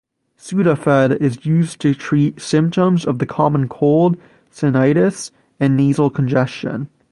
Sudafed is used to treat symptoms of the common cold, sinusitis and nasal congestion.